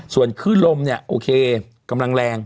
ส่วนขึ้นลมเนี่ยโอเคกำลังแรง